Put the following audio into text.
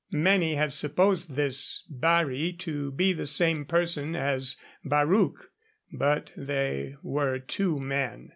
Many have supposed this Barri to be the same person as Barruc, but they were two men.